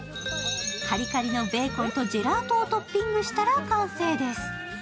カリカリのベーコンとジェラートをトッピングしたら完成です。